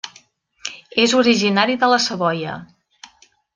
És originari de la Savoia.